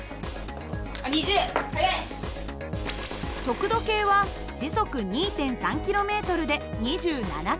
速度計は時速２．３ｋｍで２７点。